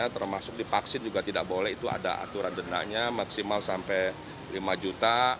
termasuk di vaksin juga tidak boleh itu ada aturan dendanya maksimal sampai lima juta